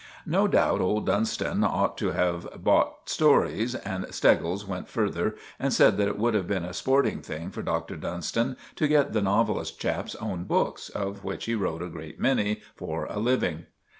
No doubt old Dunstan ought to have bought stories; and Steggles went further and said that it would have been a sporting thing for Dr. Dunstan to get the novelist chap's own books, of which he wrote a great many for a living.